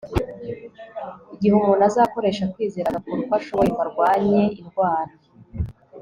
igihe umuntu azakoresha kwizera agakora uko ashoboye ngo arwanye indwara